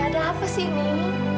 ada apa sih ini